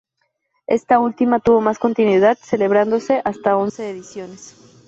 Esta última tuvo más continuidad celebrándose hasta once ediciones.